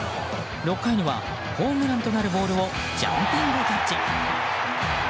６回にはホームランとなるボールをジャンピングキャッチ。